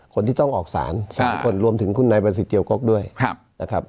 คนที่ต้องออกสาร๓คนรวมถึงคุณนายประสิทธิเจียวกกด้วยนะครับ